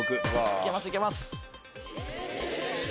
いけますいけます！